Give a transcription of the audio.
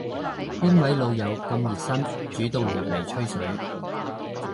邊位老友咁熱心主動入嚟吹水